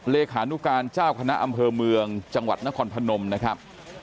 เลขานุการเจ้าคณะอำเภอเมืองจังหวัดนครพนมนะครับ